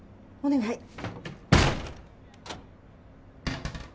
お願い！